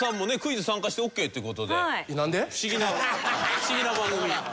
不思議な番組。